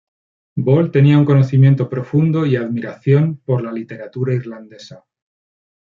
Böll tenía un conocimiento profundo, y admiración, por la literatura irlandesa.